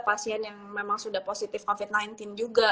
pasien yang memang sudah positif covid sembilan belas juga